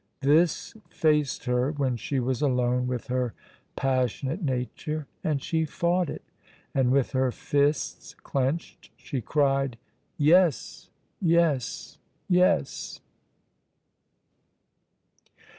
This faced her when she was alone with her passionate nature, and she fought it, and with her fists clenched she cried: "Yes, yes, yes!"